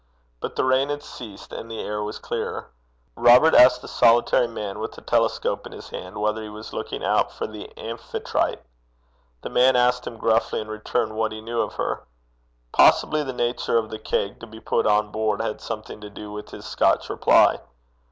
But the rain had ceased, and the air was clearer. Robert asked a solitary man, with a telescope in his hand, whether he was looking out for the Amphitrite. The man asked him gruffly in return what he knew of her. Possibly the nature of the keg to be put on board had something to do with his Scotch reply.